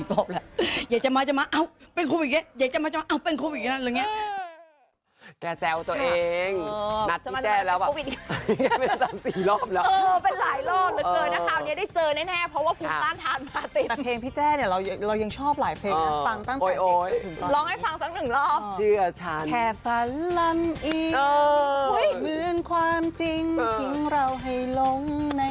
แค่ฝันลำอีกเหมือนความจริงทิ้งเราให้ลง